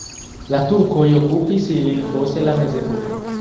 La turkoj okupis ilin post la mezepoko.